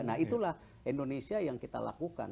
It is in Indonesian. nah itulah indonesia yang kita lakukan